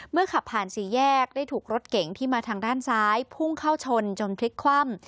ขับผ่านสี่แยกได้ถูกรถเก๋งที่มาทางด้านซ้ายพุ่งเข้าชนจนพลิกคว่ำ